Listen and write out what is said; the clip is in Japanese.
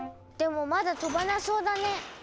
でもまだ飛ばなそうだね。